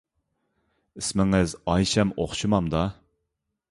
ئىسمىڭىز ئايشەم ئوخشىمامدا؟